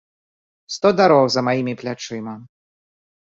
Сто дарог за маімі плячыма.